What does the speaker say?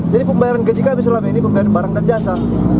jadi pembayaran gaji kami selama ini pembayaran barang dan jasa